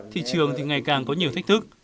thị trường thì ngày càng có nhiều thách thức